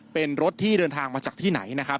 เป็นรถที่เดินทางมาจากที่ไหนนะครับ